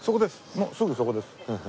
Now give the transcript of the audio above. もうすぐそこです。